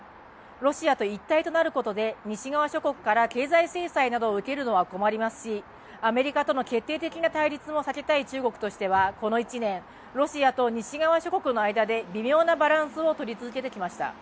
ロシアと一体となることで西側諸国から経済制裁などを受けるのは困りますしアメリカとの決定的な対立も避けたい中国としてはこの１年、ロシアと西側諸国の間で微妙なバランスをとり続けてきました。